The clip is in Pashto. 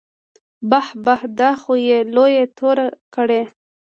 بح بح دا خو يې لويه توره کړې.